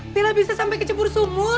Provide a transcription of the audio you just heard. bella bisa sampai kejembur sumur